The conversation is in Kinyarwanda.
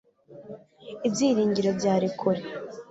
Ibyiringiro byari kure